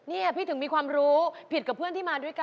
นี่พี่ถึงมีความรู้ผิดกับเพื่อนที่มาด้วยกัน